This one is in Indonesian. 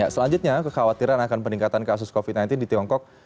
selanjutnya kekhawatiran akan peningkatan kasus covid sembilan belas di tiongkok